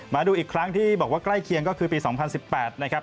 มาดูอีกครั้งที่บอกว่าใกล้เคียงก็คือปี๒๐๑๘นะครับ